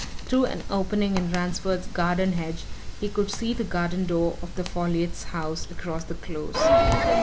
Through an opening in Ransford's garden hedge he could see the garden door of the Folliots' house across the Close.